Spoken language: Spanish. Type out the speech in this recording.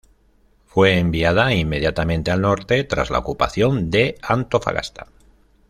Fue enviada inmediatamente al norte tras la ocupación de Antofagasta.